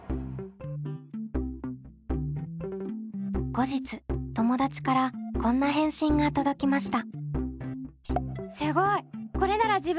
後日友達からこんな返信が届きました。